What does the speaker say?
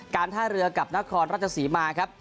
การท่าเรือกับนครรัชศรีมาครับ